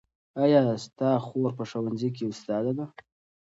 ایا ستا خور په ښوونځي کې استاده ده؟